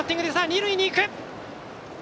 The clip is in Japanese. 二塁に行く！